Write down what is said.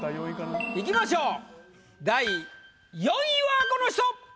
いきましょう第４位はこの人！